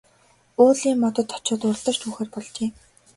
Уулын модонд очоод уралдаж түүхээр болжээ.